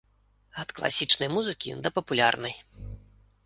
Ад класічнай музыкі да папулярнай.